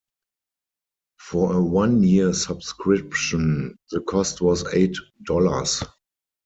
For a one-year subscription, the cost was eight dollars.